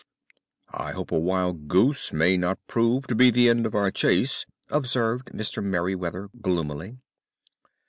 "I hope a wild goose may not prove to be the end of our chase," observed Mr. Merryweather gloomily.